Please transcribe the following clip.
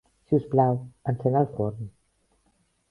Si us plau, encén el forn.